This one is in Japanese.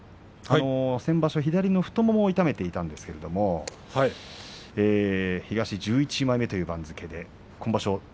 先場所、左の太ももを痛めていたんですが東１１枚目という番付で今場所